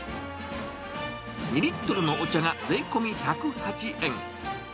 ２リットルのお茶が税込み１０８円。